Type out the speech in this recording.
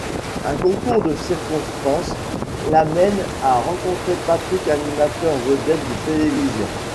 Un concours de circonstances l’amène à rencontrer Patrick, animateur vedette de télévision.